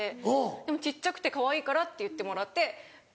でも小っちゃくてかわいいからっていってもらって。